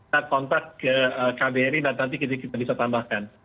kita kontak ke kbri dan nanti kita bisa tambahkan